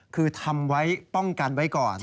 คือทำไว้ป้องกันไว้ก่อน